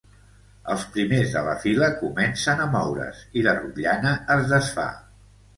Els primers de la fila comencen a moure's i la rotllana es desfà.